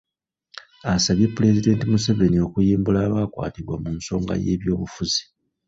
Asabye Pulezidenti Museveni okuyimbula abaakwatibwa mu nsonga y'ebyobufuzi